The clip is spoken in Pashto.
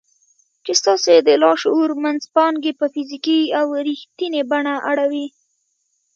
چې ستاسې د لاشعور منځپانګې په فزيکي او رښتينې بڼه اړوي.